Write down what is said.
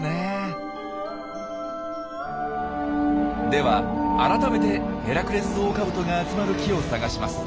では改めてヘラクレスオオカブトが集まる木を探します。